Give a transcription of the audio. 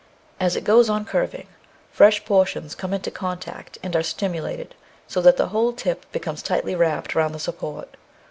As it goes on curving, fresh portions come into contact, and are stimulated, so that the whole tip becomes tightly wrapped round the support.